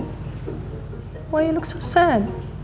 kenapa kamu kelihatan sedih